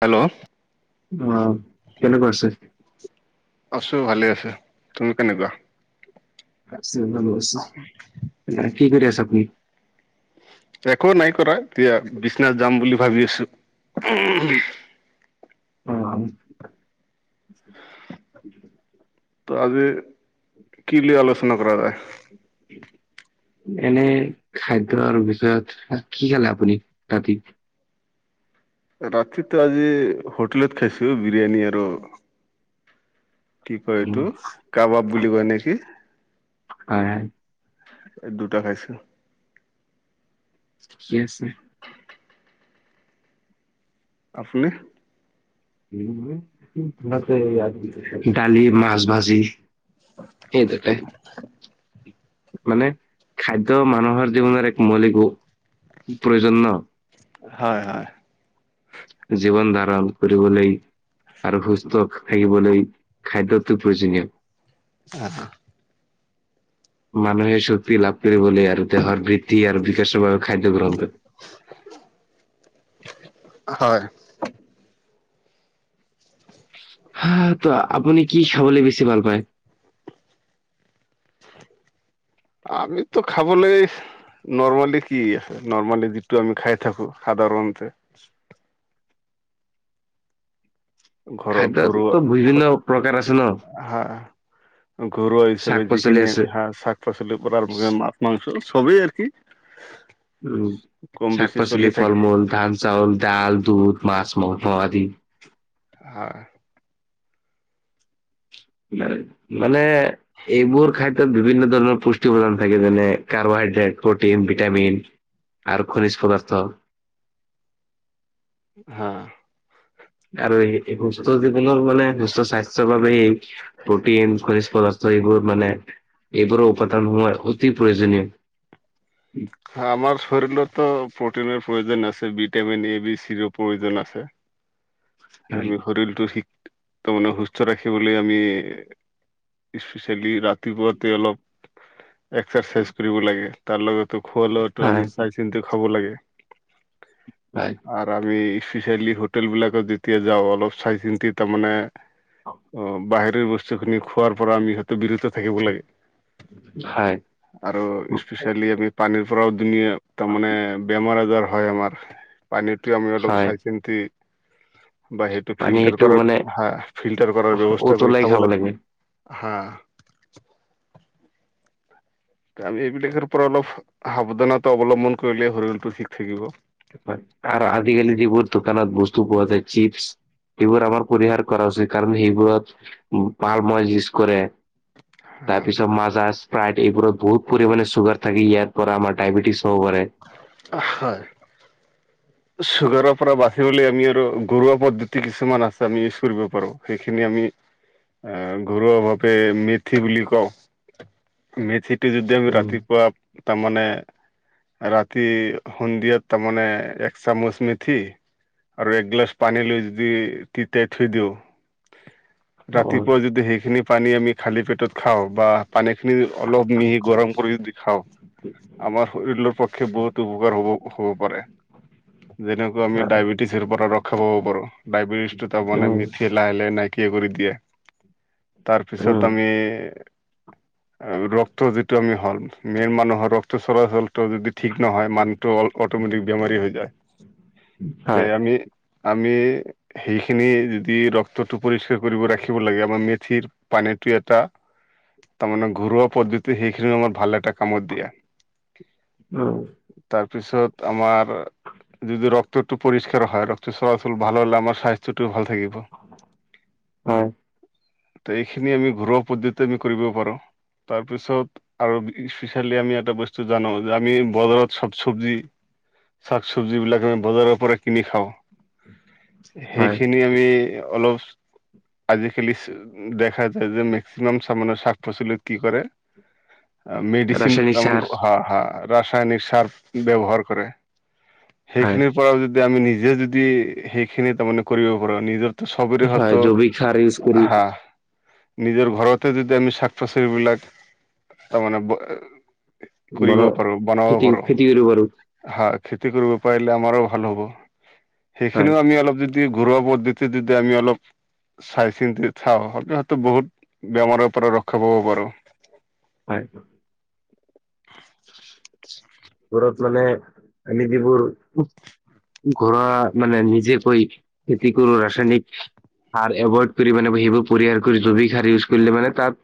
Hello? অ, কেনেকুৱা আছে। আছো ভালে আছো, তুমি কেনেকুৱা আছ [unintelligible] কি কৰি আছে আপুনি? একো নাই কৰা, এতিয়া বিচনাত যাম বুলি ভাবি আছোঁ। [unintelligible] [unintelligible] ত' আজি কি লি আলোচনা কৰা যায়? [inaudible] এনে খাদ্যৰ বিষয়ত, কি খালে আপুনি ৰাতি? ৰাতিতো আজি হোটেলত খাইছোঁ, বিৰিয়ানী আৰু কি কয় উম, এইটো, কাবাব বুলি কয় নেকি। হয়, হয়। এই দুটা খাইছোঁ। ঠিকে আছে। আপুনি? [unintelligible] ডালি, মাছ ভাজি। সেই দুটাই [unintelligible] মানে খাদ্য মানুহৰ জীৱনৰ এক মৌলিক প্ৰয়োজন নহ! হয়, হয়। জীৱন ধাৰণ কৰিবলেই আৰু সুস্থ থাকিবলৈ খাদ্যটো প্ৰয়োজনীয়। অহ। মানুহে চক্তি লাভ কৰিবলে আৰু দেহৰ বৃদ্ধি আৰু [unintelligible] খাদ্য গ্ৰহণ। [unintelligible] হয়। হা, ত' আপুনি কি খাবলৈ বেছি ভাল পায়? আমিতো খাবলেই নৰ্মেলী কি আছে, নৰ্মালি যিটো আমি খাই থাকো সাধাৰণতে ঘৰত গৰু খাদ্যতো বিভিন্ন প্ৰকাৰ আছে ন? [unintelligible] হা ঘৰুৱা শাক হিচাপে পাচলি যিখিনি আছে। হা শাক পাচলি কৰা [unintelligible] মাছ - মাংস চবেই আৰ কি উম। কম শাক বেছি চলি পাচলি, ফল থাকে। মূল, ধান চাউল, ডাল দুধ, মাছ মংস আদি হয়। মানে এইবোৰ খাদ্যত বিভিন্ন ধৰণৰ পুষ্টি প্ৰদান থাকে যেনে কাৰবাৰ [unintelligible] প্ৰটিন ভিটামিন আৰু খনিজ পদাৰ্থ [inaudible] হা। আৰু এই [unintelligible] [unintelligible] মানে সুস্থ স্বাস্থ্য বাবে প্ৰটিন [unintelligible] পদাৰ্থ এইবোৰ মানে এইবোৰো উপাদান হোৱা অতি প্ৰয়োজনীয় আমাৰ [unintelligible] ত প্ৰটিনৰ প্ৰয়োজন আছে, ভিটামিন এ বি চিৰো প্ৰয়োজন আছে। হয়, আমি শৰীৰটো শিক তাৰ মানে সুস্থ ৰাখিবলৈ আমি, স্পেচিয়েলি ৰা তিপুৱাতে অলপ এক্সাৰচাইজ কৰিব লাগে, তাৰ লগতো খোৱা লোৱাটো হয়। আমি চাই চিন্তি খাব লাগে। হয়। আৰু আৰ এই স্পেচালি হোটেল বিলাকত দি তিয়া যাওঁ, অলপ চাই চিন্তি তাৰমানে অ', বাহিৰৰ বস্তু খিনি খোৱাৰ পৰা আমি হয়তো বিৰত থাকিব লাগে। হয় আৰু স্পেচিয়েলি আমি পানীৰ পৰাও ধুনীয়া তাৰমানে বেমাৰ আজাৰ হয় আমাৰ পানীটোৱে আমি অলপ হয় চাই চিন্তি বা সেইটো পানী ফিল্টাৰ এইটো কৰাৰ, মানে হা ফিল্টাৰ কৰাৰ ব্যৱস্থা কৰি খাব লাগে। হা, [unintelligible] পৰা অলপ সাৱধানতা অৱলম্বন কৰিলে সৰিয়লটো ঠিক থাকিব। হয় আৰু চিপছ্, এইবোৰ আমাৰ পৰিহাৰ কৰা উচিত কাৰণ সেইবোৰত পাল মছ ইউজ কৰে। হা তাৰ পিছত মাজা স্পাইট এইবোৰত বহুত পৰিমাণে চুগাৰ থাকে ইয়াৰ পৰা আমাৰ ডায়বেটিছ হ'ব পাৰে হয়, চুগাৰৰ পৰা বাচিবলে আমি আৰু গৰুৱা পদ্ধতি কিছুমান আছে। আমি ইউজ্ কৰিব পাৰো সেইখিনি আম ঘৰুৱা ভাৱে মেথি বুলি কওঁ। মেথি যদি আমি উম ৰাতিপুৱা তামানে ৰাতি সন্দিয়াত তামানে, এক চামুচ মেথি, আৰু এক্ গিলাছ পানী লৈ যদি তিতাই থৈ দিও [unintelligible] অ ৰাতিপুৱা যদি সেইখিনি পানী আমি খালী পেটত খাওঁ বা পানীখিনি অলপ মিহি গৰম কৰি খাওঁ, আমাৰ শৰীৰৰ পক্ষে বহুত উপকাৰ হ'ব হ'ব পাৰে। যেনেকৈ আমি ডায়বেটিছেৰ পৰা ৰক্ষা পাব পাৰো, ডায়বেটিছ টো তাৰ মানে উম মিথি লাহে লাহে নাইক কিয়া কৰি দিয়ে। উম তাৰপিছত আমি ৰক্ত যিটো আমি হ'ম, মেন মানুহৰ ৰক্ত চলাচলটো যদি ঠিক নহয় মানুহটো অট'মেটিক বেমাৰী হৈ যায়। তে হয় আমি আমি সেইখিনি যদি ৰক্তটো পৰিষ্কাৰ কৰিব ৰাখিব লাগে। আমাৰ মেথিৰ পানী এইটো এটা তামানে ঘৰুৱা পদ্ধতি এইখিনি আমাৰ ভালএটা কামত দিয়া। উম তাৰপিছত আমাৰ যদি ৰক্তটো পৰিষ্কাৰ হয়, ৰক্ত চলাচল ভাল হ'লে আমাৰ স্বাস্থ্যটো ভাল থাকিব। হয় ত এইখিনি আমি ঘৰুৱা পদ্ধতি আমি কৰিব পাৰো। তাৰপিছত আৰু স্পেচিয়েলি আমি এটা বস্তু জানো যে আমি বজাৰত চব চবজি [unintelligible] শাক চবজিবিলাক আমি বজাৰৰ পৰা কিনি খাওঁ, হয় সেইখিনি আমি অলপ [unintelligible] আজিকালি দেখা যায় যে মেক্সিমাম চামানে শাক পাচলিত কি কৰে মেডিচিন ৰাসায়নিক তে সাৰ হা হা ৰাসায়নিক সাৰ ব্যৱহাৰ কৰে। হয় সেইখিনিৰ পৰাও যদি আমি নিজে যদি সেইখিনি তাৰমানে কৰিব পাৰো নিজৰ চবৰে হয় হতো জৈৱিক সাৰ ইউজ কৰি হা। নিজৰ ঘৰতে যদি আমি শাক পাচল বিলাক তাৰমানে বন কৰিবও পাৰো, বনাবও খেতি পাৰো খেতি কৰিব পাৰো হা খেতি কৰিব পাৰিলে আমাৰো ভাল হব, হয় সেইখিনিও আমি অলপ যদি দি ঘৰুৱা পদ্ধতি দি আমি অলপ চাই চিন্তি চাওঁ সতো হয়তো বহুত বেমাৰৰ পৰা ৰক্ষা পাব পাৰো। হয়। [unintelligible] ঘৰত মানে থাকি দিব আৰু। ঘৰুৱা মানে নিজেকৈ খেতি কৰো ৰাসায়নিক সাৰ এভইড কৰি মানে সেইবোৰ পৰিহাৰ কৰি জৈৱিক সাৰ ইউজ কৰিলে মানে তাত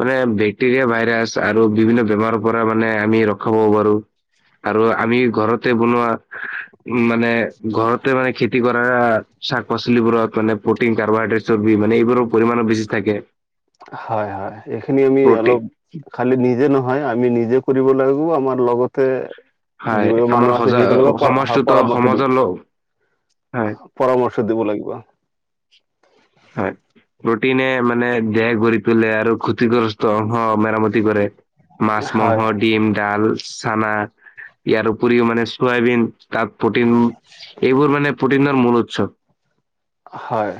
মানে বেক্টেৰিয়া ভাইৰাছ আৰু বিভিন্ন বেমাৰৰ পৰা মানে আমি ৰখাবও পাৰো আৰু আমি ঘৰতে বনোৱা উম, মানে ঘৰতে মানে খেতি কৰা শাক পাচলিবোৰত মানে প্ৰটিন কাৰ্বহাইড্ৰেটছৰ বি, মানে এইবোৰৰ পৰিমাণো বেছি থাকে। হয়, হয়। এইখিনি আমি প্ৰটিন অলপ খালি নিজে নহয় আমি নিজে কৰিব লাগিব আমাৰ লগতে হয় যিবোৰোৰ আমাৰ মানুহ আছে সজা সেইসকলকো স, সমাজটোতো পৰামৰ্শ দিওঁ। সমাজৰ হয় পৰামৰ্শ দিব লাগিব। হয়। প্ৰটিনে মানে দেহ গঢ়ি তোলে আৰু ক্ষতিগ্ৰস্ত অংশ মেৰামতি কৰে। মাছ, হয় মাংস, ডিম, ডাল, চানা ইয়াৰ উপৰিও মানে চয়াবিন তাত প্ৰটিন এইবোৰ মানে প্ৰটিনৰৰ মূল উৎসৱ। হয়।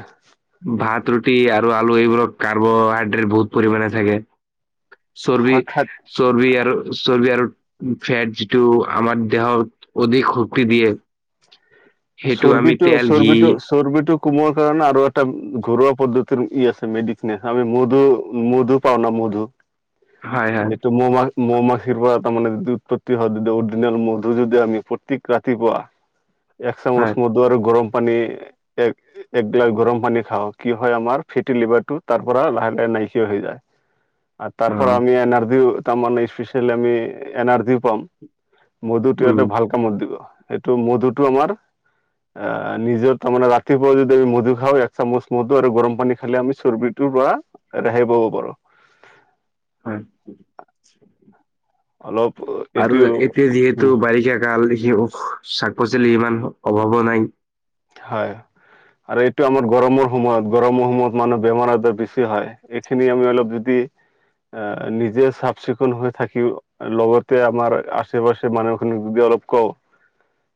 ভাত, ৰুটি আৰু আলু এইবোৰক কাৰ্বহাইড্ৰেট বহুত পৰিমাণে থাকে। চৰ্বি শাখাত চৰ্বি আৰু চৰ্বি আৰু ফেট যিটো আমাৰ দেহত অধিক শক্তি দিয়ে। সেইটো আমি চৰ্বিটো তেল, ঘি চৰ্বিটো চৰ্বিটো কমোৱাৰ কাৰণে আৰু এটা ঘৰুৱা পদ্ধতিৰ ই আছে মেডিচিনে আমি মধু মধু পাওঁ ন মধু হয় হয় এটো মোৰ মানে মৌ মাখিৰ পৰা তাৰমানে যদি উৎপত্তি হয় য অৰিজিনেল মধু যদি আমি প্ৰত্যেক ৰাতিপুৱা এক চামচ হয় মধু আৰু গৰম পানী এক এক গিলাচ গৰম পানী খাওঁ, কি হয় আমাৰ ফেটি লিভাৰটো তাৰ পৰা লাহে লাহে নাইকিয়া হৈ যায়। আৰু তাৰ অ পৰা আমি এনাৰ্জিও তাৰমানে স্পেচিয়েলি আমি এনাৰ্জিও পাম। মধুটো উম এটো ভাল কামত দিব, এইেটো মধুটো আমাৰ আহ নিজৰ তাৰমানে ৰাতিপুৱা যদি আমি মধু খাওঁ, এক চামুচ মধু আৰু গৰম পানী খালে আমি চৰ্বিটোৰ পৰা ৰেহাই পাব পাৰো। হয়। অলপ এইটো আৰু এতিয়া উম যিহেতু বাৰিষা কাল। কিয় শাক পাচলি ইমান অভাৱো নাই। হয়। আৰু এইটো আমাৰ গৰমৰ সময়ত, গৰমৰ সময়ত মানুহ বেমাৰ আজাৰ বেছি হয়। এইখিনি আমি অলপ যদি আহ, নিজে চাফ চিকুণ হৈ থাকিও লগতে আমাৰ আচে পাচে মানুহখিনিক ব্য অলপ কওঁ,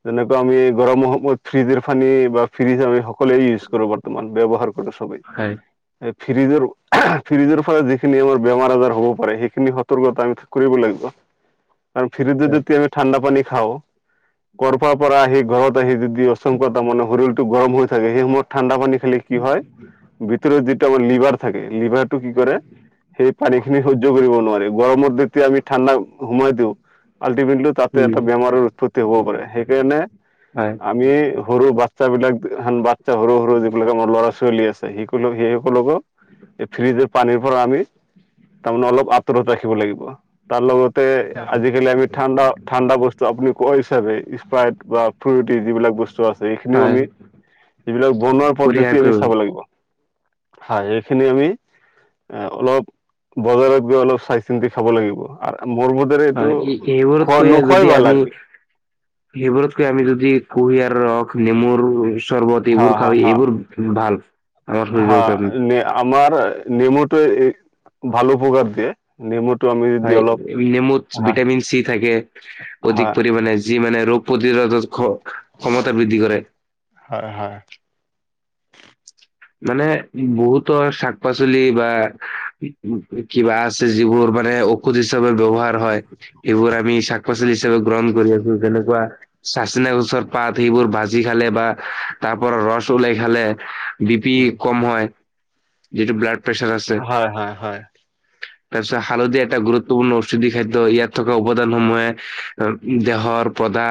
যেনেকুৱা আমি গৰমত ফ্ৰিজৰ [unintelligible] ফিৰিজ আমি সকলোৱে ইউছ কৰোঁ, বৰ্তমান ব্যৱহাৰ কৰোঁ চৱে হয় ফ্ৰিজৰ, ফ্ৰিজৰ ফালে যিখিনি আমাৰ বেমাৰ আজাৰ হ'ব পাৰে, সেইখিনি সতৰ্কতা আমি কৰিব লাগিব। কাৰ ফ্ৰীজত হয় যদি আমি ঠাণ্ডা পানী খাওঁ। কৰ'পাৰ পৰা আহি ঘৰত আহি যদি [unintelligible] তাৰ মানে শৰীৰটো গৰম হৈ থাকে। সেই সময়ত ঠাণ্ডা পানী খালে কি হয়, ভিতৰত যিটো আমাৰ লিভাৰ থাকে লিভাৰ টো কি কৰে, সেই পানী খিনি সহয্য কৰিব নোৱাৰি। গৰমৰ যেতিয়া আমি ঠাণ্ডা সোমাই দিওঁ। আল্টিমেটলি তাতে উম এটা বেমাৰৰ উৎপত্তি হ'ব পাৰে, সেইকাৰণে হয় আমি সৰু বাচ্ছাবিলাক। বাচ্ছা সৰু সৰু যিবিলাক আমাৰ ল'ৰা ছোৱালী আছে, শিক ল সেই সকলোকে এই ফ্ৰিজৰ পানীৰ পৰা আমি তাৰমানে অলপ আপ‌ আঁতৰত ৰাখিব লাগিব। তাৰ লগত এ, আজিকালি আমি ঠাণ্ডা ঠাণ্ডা বস্তু আপুনি কয় হিচাপে স্প্ৰাইট বা ফ্ৰুটি যিবিলাক বস্তু আছে, এইখিনিও হয় আমি যিবিলাক বনোৱা পদ্ধতি আমি কৰিয়াকৈ চাব লাগিব। হয়। এইখিনি আমি এ, অলপ বজাৰত গৈ অলপ চাই চিন্তি খাব লাগিব। মোৰ বোধেৰে এইটো হয়। খোৱা এইবোৰতকৈ নোখোৱাই যদি ভাল আমি আৰু কি এবোৰতকৈ আমি যদি কুঁহিয়াৰ ৰস, নেমুৰ চৰবত হা এইবোৰ হা খাওঁ, হা এইবোৰ ভাল। আমাৰ হা, শৰীৰৰ কাৰণে ন। আমাৰ নেমুটো ভালো উপকাৰ দিয়ে। নেমু হয়। নেমুত ভিটামিন চি থাকে অধিক হয় পৰিমানে যি মানে ৰোগ প্ৰতিৰোধক ক্ষমতা বৃদ্ধি কৰে। হয় হয় মানে বহুতো চাক পাচলি বা কিবা আছে যিবোৰ মানে ঔষধ হিচাপে ব্যৱহাৰ হয়। সেইবোৰ আমি চাক পাচলি হিচাপে গ্ৰহণ কৰি আছো। যেনেকুৱা চাচিনা গছৰ পাৰৰ আদি বোৰৰ সেইবোৰ ভাজি খালে বা তাৰ পৰা ৰস ওলাই খালে বি পি কম হয়, যিটো ব্লাড প্ৰেছাৰ আছে হয়, হয়, হয়। তাৰপিছত, হালধি এটা গুৰুত্বপূৰ্ণ ঔষধি খাদ্য। ইয়াত থকা উপদানসমূহে দেহত সৰপদা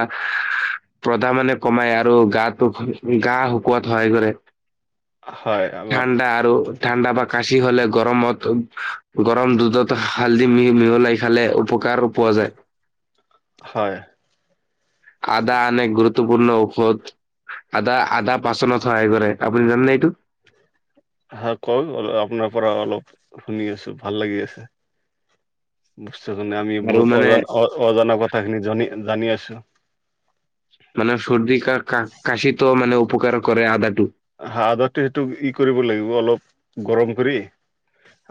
প্ৰধা মানে কমাই আৰু গাটোক গা শুকোৱাত সহায় কৰে। হয়, আমাৰ ঠাণ্ডা আৰু ঠাণ্ডা বা কাচি হলে, গৰমত গৰম দুধত হালদি মিহি মিহলাই খালে উপ কাৰ পোৱা যায়। হয়। আদা আন গুৰুত্ব গুৰুত্বপূৰ্ণ ঔষধ, আদা, আদা পাচনত সহায় কৰে। আপুনি জানেনে এইটো? হ' কওক অল আপোনাৰ পৰা অলপ শুনি আছো, ভাল লাগি আছে। বুজতেছনে আমি আৰু বহুত মানে অজান অজানৰ কথাখিনি জানি আছো। মানে সৰ্দি কা কাশিতো মানে উপকাৰ কৰে আদাটো হা, আদাটো এইটো ই কৰিব লাগিব অলপ গৰম কৰি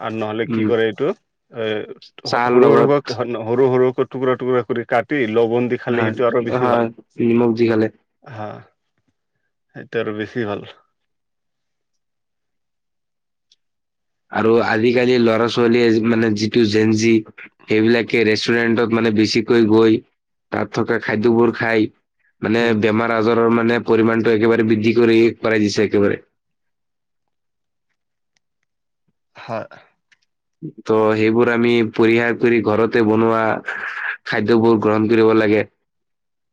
আৰু নহলে কি উম কৰে এইটো এ, চাহৰ সৰু, লগত সৰু, সৰু, সৰু টুকুৰা, টুকুৰা কৰি কাটি লৱন দি খালি হয় সেইটো আৰু বেছি হয় ভাল। নিমখ দি খালে। হা, সেইটো আৰ বেছি ভাল আৰু আজিকালি ল'ৰা ছোৱালীয়ে মানে যিটো জেনজি, সেইবিলাকে ৰেষ্টুৰেন্টত মান বেছিকৈ গৈ তাত থকা খাদ্য বোৰ খাই, মানে উম। বেমাৰ আজাৰ ৰ মানে পৰিমাণটো একেবাৰে বৃদ্ধি কৰি কৰাই দিছে একেবাৰে। [inaudible] হয়। ত', সেইবোৰ আমি পৰিহাৰ কৰি ঘৰতে বনোৱা খাদ্যবোৰ গ্ৰহণ কৰিব লাগে।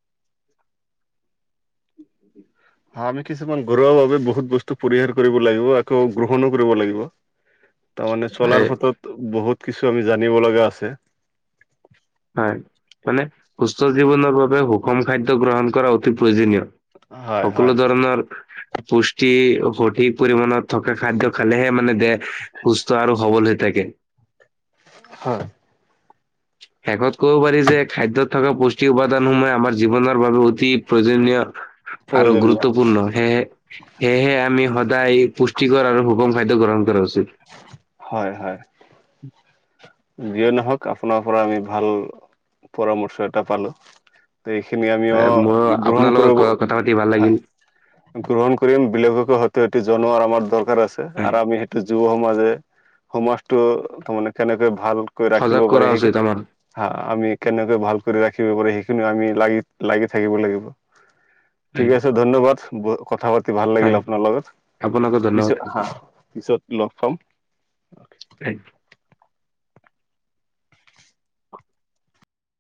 [inaudible] আমি কিছুমান ঘৰুৱাভাৱে বহুত বস্তু পৰিহাৰ কৰিব লাগিব, আকৌ গ্ৰহণো কৰিব লাগিব। তাৰমানে চলাৰ হয় পথত বহুত কিছু আমি জানিব লগা আছে। হয় মানে সুস্থ জীৱনৰ বাবে সুষম খাদ্য গ্ৰহণ কৰা অতি প্ৰয়োজনীয়। হয় সকলো হয়। ধৰণৰ পুষ্টি সঠিক পৰিমাণত থকা খাদ্য খালেহে মানে দেহ সুস্থ আৰু সবল হয় থাকে। হয়। [inaudible] শেষত ক'ব পাৰি যে খাদ্যত থকা পুষ্টি উপাদানসমূহে আমাৰ জীৱনৰ বাবে অতি প্ৰয়োজনীয়। আৰু প্ৰয়োজনীয়। গুৰুত্বপূৰ্ণ সেয়েহে আমি সদায় পুষ্টিকৰ আৰু সুখম খাদ্য গ্ৰহণ কৰা উচিত। হয়, হয়। যিয়ে নহওক আপোনাৰ পৰা আমি ভাল পৰামৰ্শ এটা পালো। এইখিনি আমিও হয়, মোৰ গ্ৰহণ আপোনাৰ লগত কৰিব ক- কথা পাতি ভাল লাগিল। গ্ৰহণ কৰিম বেলেগক হয়ত এটি জনোৱাৰ আমাৰ দৰকাৰ আছে, হয়, আৰু আমি সেইটো যুৱ সমাজে সমাজটো তাৰমানে কেনেকৈ ভালকৈ ৰাখিব সজাগ পাৰে কৰা সেইহে উচিত আমাৰ। আমি কেনেকৈ ভালকৈ ৰাখিব পাৰি সেইখিনি আমি লাগি লাগি থাকিব লাগিব, ঠিক হয় আছে ধন্যবাদ। কথা পাতি ভাল লাগিল হয়, আপোনাৰ লগত। আপোনাকো ধন্যবাদ। পিছত হা হয়। পিছত লগ পাম। [inaudible]